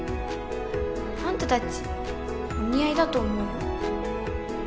あんたたちお似合いだと思うよ。